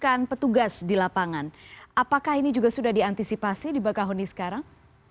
kesulitan menemukan petugas di lapangan apakah ini juga sudah diantisipasi di bakau ini sekarang